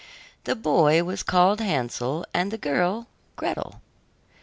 The boy was called Hansel and the girl Gretel.